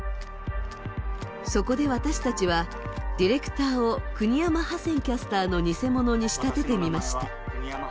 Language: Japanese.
そこで、私たちはディレクターを国山ハセンキャスターの偽者に仕立ててみました。